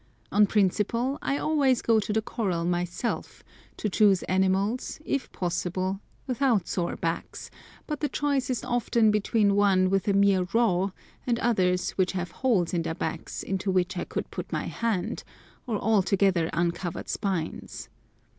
On principle I always go to the corral myself to choose animals, if possible, without sore backs, but the choice is often between one with a mere raw and others which have holes in their backs into which I could put my hand, or altogether uncovered spines.